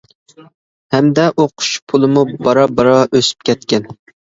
ھەمدە ئوقۇش پۇلىمۇ بارا-بارا ئۆسۈپ كەتكەن.